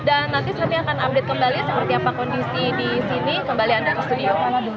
dan nanti kami akan update kembali seperti apa kondisi di sini kembali anda ke studio